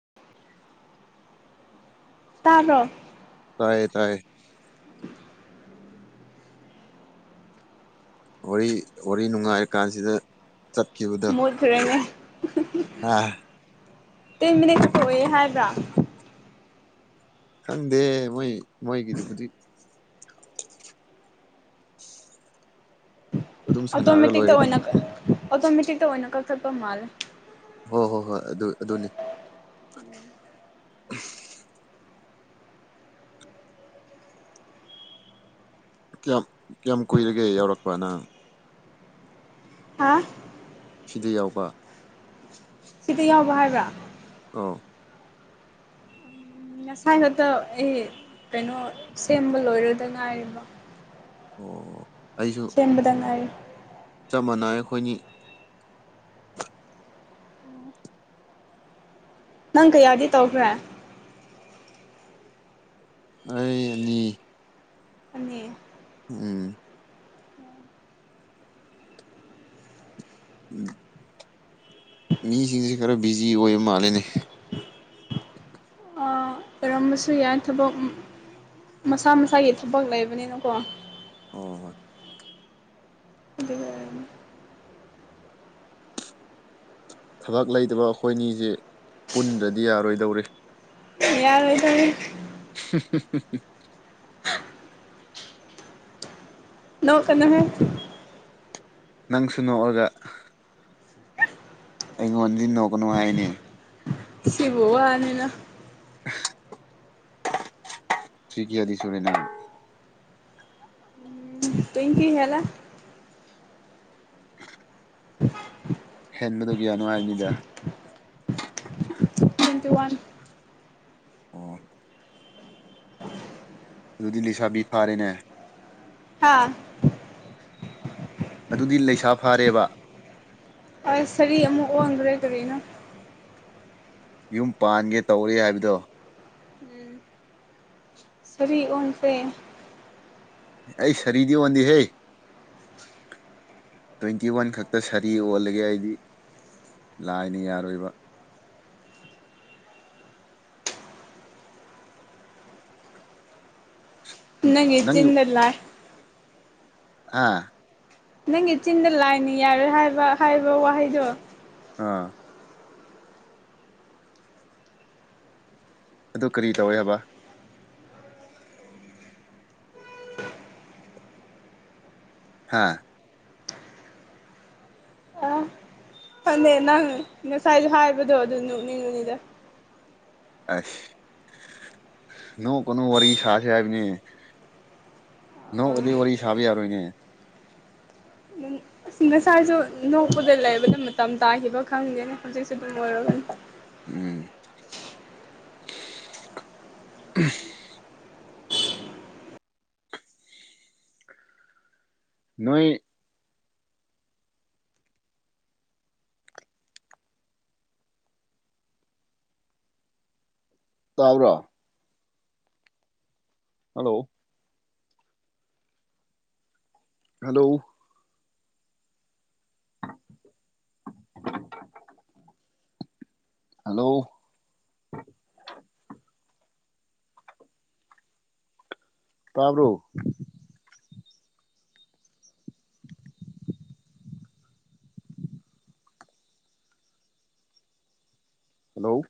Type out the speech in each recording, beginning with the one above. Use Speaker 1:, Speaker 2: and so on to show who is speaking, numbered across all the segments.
Speaker 1: [inaudible]
Speaker 2: ꯇꯥꯕ꯭ꯔꯣ
Speaker 1: ꯇꯥꯏꯌꯦ ꯇꯥꯏꯌꯦ
Speaker 2: [unintelligible]
Speaker 1: ꯋꯥꯔꯤ ꯅꯨꯡꯉꯥꯏꯔ ꯀꯥꯟꯁꯤꯗ
Speaker 2: ꯃꯨꯠꯈ꯭ꯔꯅꯦ
Speaker 1: ꯑ
Speaker 2: ꯇꯦꯟ ꯃꯤꯅꯠ ꯈꯛꯇ ꯑꯣꯏꯌꯦ ꯍꯥꯏꯕ꯭ꯔꯥ
Speaker 1: ꯈꯪꯗꯦ ꯃꯣꯏ ꯃꯣꯏꯒꯤꯗꯨꯕꯨꯗꯤ ꯑꯗꯨꯝ ꯁꯥꯟꯅꯔꯒ
Speaker 2: ꯑꯣꯇꯣꯃꯦꯇꯤꯛꯇ
Speaker 1: ꯂꯣꯏꯔꯦꯗꯅ
Speaker 2: ꯑꯣꯏꯅ ꯑꯣꯇꯣꯃꯦꯇꯤꯛꯇ ꯑꯣꯏꯅ ꯀꯛꯊꯠꯄ ꯃꯥꯜꯂꯦ
Speaker 1: ꯍꯣꯏ ꯍꯣꯏ ꯍꯣꯏ ꯑꯗꯨ ꯑꯗꯨꯅꯤ ꯀꯌꯥꯝ ꯀꯌꯥꯝ ꯀꯨꯏꯔꯒꯦ ꯌꯥꯎꯔꯛꯄ ꯅꯪ
Speaker 2: ꯍꯥ
Speaker 1: ꯐꯤꯗ ꯌꯥꯎꯕ
Speaker 2: ꯁꯤꯗ ꯌꯥꯎꯕ ꯍꯥꯏꯕ꯭ꯔꯥ
Speaker 1: ꯑꯧ
Speaker 2: ꯉꯁꯥꯏ ꯈꯛꯇ ꯑꯩ ꯀꯩꯅꯣ ꯁꯦꯝꯕ ꯂꯣꯏꯔꯣꯏꯗ ꯉꯥꯏꯔꯤꯕꯣ
Speaker 1: ꯑꯣ ꯑꯩꯁꯨ
Speaker 2: ꯐꯥꯕꯗ ꯉꯥꯏꯔꯤ
Speaker 1: ꯆꯞ ꯃꯥꯟꯅꯩ ꯑꯩꯈꯣꯏꯗꯤ
Speaker 2: ꯅꯪ ꯀꯌꯥꯗꯤ ꯇꯧꯈ꯭ꯔꯦ
Speaker 1: ꯑꯩ ꯑꯅꯤ
Speaker 2: ꯑꯅꯤ
Speaker 1: ꯎꯝ [unintelligible] ꯃꯤꯁꯤꯡꯁꯦ ꯈꯔ ꯕꯤꯖꯤ ꯑꯣꯏꯕ ꯃꯥꯜꯂꯤꯅꯦ
Speaker 2: ꯑꯥ ꯑꯣꯏꯔꯝꯕꯁꯨ ꯌꯥꯏ ꯊꯕꯛ ꯃꯁꯥ ꯃꯁꯥꯒꯤ ꯊꯕꯛ ꯂꯩꯕꯅꯤꯅꯀꯣ
Speaker 1: ꯑꯣ ꯍꯣꯏ
Speaker 2: ꯑꯗꯨꯒꯤ ꯑꯣꯏꯔꯝꯅꯤ
Speaker 1: ꯊꯕꯛ ꯂꯩꯇꯕ ꯑꯩꯈꯣꯏꯅꯤꯁꯤ ꯄꯨꯟꯗ꯭ꯔꯗꯤ ꯌꯥꯔꯣꯏꯗꯧꯔꯤ
Speaker 2: ꯌꯥꯔꯣꯢ ꯇꯧꯔꯤ
Speaker 1: [inaudible]
Speaker 2: ꯅꯣꯛꯀꯥꯅꯨꯍꯦ
Speaker 1: ꯅꯪꯁꯨ ꯅꯣꯛꯑꯔꯒ ꯑꯩꯉꯣꯟꯗꯤ ꯅꯣꯛꯀꯥꯅꯨ ꯍꯥꯏꯅꯦ
Speaker 2: ꯁꯤꯕꯨ ꯋꯥꯅꯤꯅ
Speaker 1: ꯆꯍꯤ ꯌꯥꯗꯤ ꯁꯨꯔꯦ ꯅꯪ
Speaker 2: ꯇ꯭ꯋꯨꯟꯇꯤ ꯍꯦꯜꯂꯦ
Speaker 1: ꯍꯦꯟꯕꯗꯨ ꯀꯌꯥꯅꯣ ꯍꯥꯏꯕꯅꯤꯗ [unintelligible]
Speaker 2: ꯇ꯭ꯋꯨꯟꯇꯤ ꯋꯥꯟ
Speaker 1: ꯑꯣ ꯑꯗꯨꯗꯤ ꯂꯩꯁꯥꯕꯤ ꯐꯥꯔꯦꯅꯦ
Speaker 2: ꯍꯥꯥ
Speaker 1: ꯑꯗꯨꯗꯤ ꯂꯩꯁꯥ ꯐꯥꯔꯦꯕ
Speaker 2: ꯁꯔꯤ ꯑꯃꯨꯛ ꯑꯣꯟꯈꯔꯦ ꯀꯔꯤꯅꯣ
Speaker 1: ꯌꯨꯝ ꯄꯥꯟꯒꯦ ꯇꯧꯔꯤ ꯍꯥꯏꯕꯗꯣ
Speaker 2: [inaudible] ꯁꯥꯔꯤ ꯑꯣꯟꯈꯔꯦ
Speaker 1: ꯑꯩ ꯁꯔꯤꯗꯤ ꯑꯣꯟꯗꯦ ꯍꯦ ꯇ꯭ꯋꯦꯟꯇꯤꯋꯥꯟ ꯈꯛꯇ ꯁꯥꯔꯤ ꯑꯣꯜꯂꯒꯦ ꯑꯩꯗꯤ ꯂꯥꯏꯅ ꯌꯥꯔꯣꯏꯕ
Speaker 2: ꯅꯪꯒꯤ ꯆꯤꯟꯗ ꯂꯥꯏ
Speaker 1: ꯍꯥ
Speaker 2: ꯅꯪꯒꯤ ꯆꯤꯟꯗ ꯂꯥꯏꯅ ꯌꯥꯔꯣꯏ ꯍꯥꯏꯕ ꯍꯥꯏꯕ ꯋꯥꯍꯩꯗꯣ
Speaker 1: ꯑꯥ ꯑꯗꯨ ꯀꯔꯤ ꯇꯧꯔꯦ ꯍꯥꯏꯕ ꯍꯥꯥ
Speaker 2: ꯐꯅꯦꯛ ꯅꯪ ꯉꯁꯥꯏꯁꯨ ꯍꯥꯏꯕꯗꯣ ꯑꯗꯨ ꯅꯣꯛꯅꯤꯛ ꯕꯅꯤꯗ
Speaker 1: ꯑꯁ [inaudible] ꯅꯣꯡꯀꯅꯣ ꯋꯥꯔꯤ ꯁꯥꯁꯦ ꯍꯥꯏꯕꯅꯦ [inaudible] ꯅꯣꯛꯑꯗꯤ ꯋꯥꯔꯤ ꯁꯥꯕ ꯌꯥꯔꯣꯏꯅꯦ
Speaker 2: ꯁ ꯉꯁꯥꯏꯁꯨ ꯅꯣꯛꯄꯗ ꯂꯩꯕꯗ ꯃꯇꯝ ꯇꯥꯈꯤꯕ ꯈꯪꯗꯦꯅꯦ ꯍꯧꯖꯤꯛꯁ ꯑꯗꯨꯝ ꯑꯣꯏꯔꯒꯅꯤ
Speaker 1: ꯎꯝ ꯅꯣꯏ ꯇꯥꯕꯔꯣ ꯍꯜꯂꯣ ꯍꯜꯂꯣ [inaudible] ꯍꯜꯂꯣ ꯇꯥꯕ꯭ꯔꯣ ꯍꯜꯂꯣ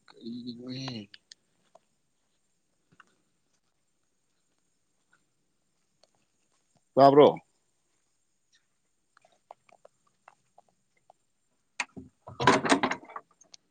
Speaker 1: [unintelligible] ꯇꯥꯕ꯭ꯔꯣ [unintelligible] [inaudible]